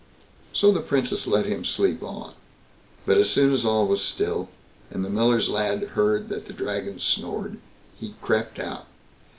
So the Princess let him sleep on. But as soon as all was still, and the miller's lad heard that the Dragon snored, he crept out.